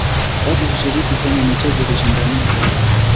Watu hushiriki kwenye michezo kushindania zawadi